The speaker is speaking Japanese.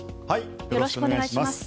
よろしくお願いします。